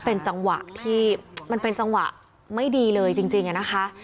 เป็นจังหวะที่มันเป็นจังหวะไม่ดีเลยจริงอะนะคะ